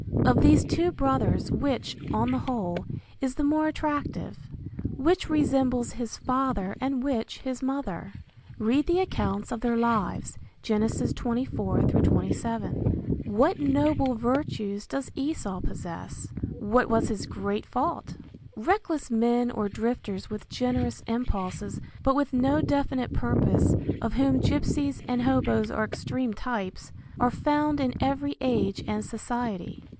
Of these two brothers which, on the whole, is the more attractive? Which resembles his father and which his mother? (Read the accounts of their lives, Gen. 24 27.) What noble virtues does Esau possess? What was his great fault? Reckless men or drifters with generous impulses but with no definite purpose, of whom gypsies and hoboes are extreme types, are found in every age and society.